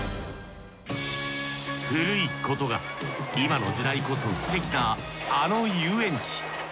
古いことが今の時代こそすてきなあの遊園地。